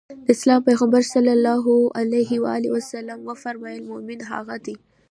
د اسلام پيغمبر ص وفرمايل مومن هغه دی.